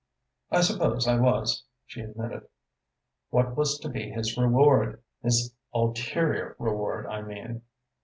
"I suppose I was," she admitted. "What was to be his reward his ulterior reward, I mean?"